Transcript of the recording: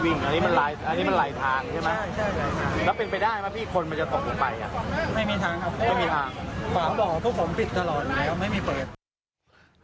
ไม่มีทางครับต่อผ่องปิดตลอดไม่มีเปิด